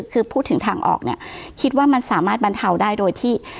คือพูดถึงทางออกเนี่ยคิดว่ามันสามารถบรรเทาได้โดยที่